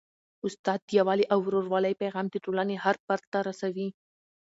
استاد د یووالي او ورورولۍ پیغام د ټولني هر فرد ته رسوي.